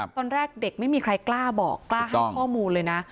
ตอนแรกเด็กไม่มีใครกล้าบอกกล้าให้ข้อมูลเลยนะ